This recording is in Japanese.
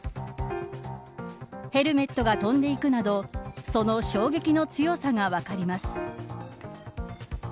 ヘルメットが飛んでいくなどその衝撃の強さが分かります。